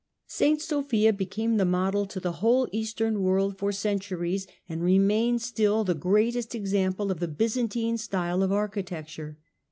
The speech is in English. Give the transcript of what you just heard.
St. Sophia became the model to the whole Eastern world for centuries, and remains still the greatest example of the Byzantine style of architecture.